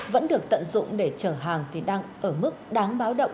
vẫn được tận dụng để chở hàng thì đang ở mức đáng báo động